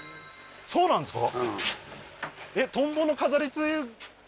そうなんですか？